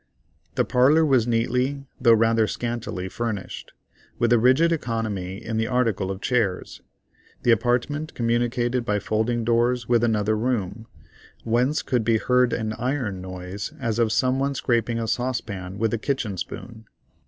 The parlor was neatly, though rather scantily furnished, with a rigid economy in the article of chairs. The apartment communicated by folding doors with another room, whence could be heard an iron noise as of some one scraping a saucepan with a kitchen spoon.